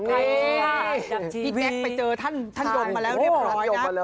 นี่พี่แจ๊คไปเจอท่านยมมาแล้วเรียบร้อยนะ